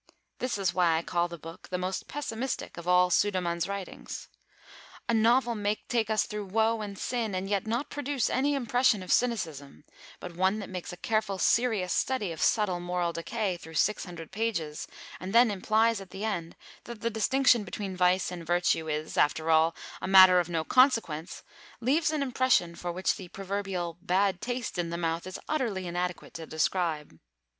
This is why I call the book the most pessimistic of all Sudermann's writings. A novel may take us through woe and sin, and yet not produce any impression of cynicism; but one that makes a careful, serious study of subtle moral decay through over six hundred pages, and then implies at the end that the distinction between vice and virtue is, after all, a matter of no consequence, leaves an impression for which the proverbial "bad taste in the mouth" is utterly inadequate to describe.